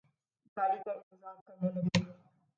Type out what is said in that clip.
گاڑی کا انتظار کرنے لگے